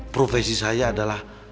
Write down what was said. profesi saya adalah